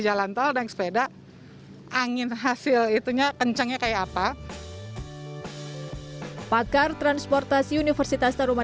jalan tol dan sepeda angin hasil itunya kencangnya kayak apa pakar transportasi universitas taruma